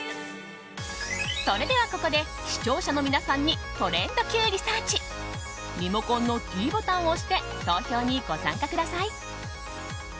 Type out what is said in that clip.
それではここで視聴者の皆さんにトレンドＱリサーチリモコンのｄボタンを押して投票にご参加ください。